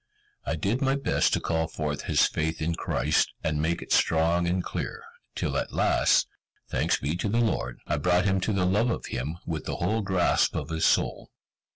I did my best to call forth his faith in Christ, and make it strong and clear, till at last thanks be to the Lord I brought him to the love of Him, with the whole grasp of his soul.